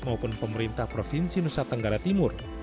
maupun pemerintah provinsi nusa tenggara timur